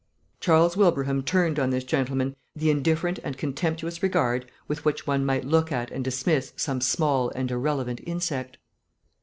Charles Wilbraham turned on this gentleman the indifferent and contemptuous regard with which one might look at and dismiss some small and irrelevant insect.